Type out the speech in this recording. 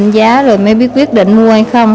giá rồi mới biết quyết định mua hay không